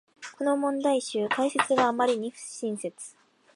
この問題集、解説があまりに不親切